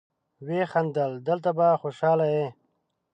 ويې خندل: دلته به خوشاله يې.